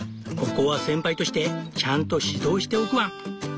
ここは先輩としてちゃんと指導しておくワン！